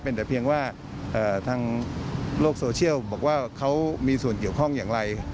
แต่เพียงว่าทางโลกโซเชียลบอกว่าเขามีส่วนเกี่ยวข้องอย่างไร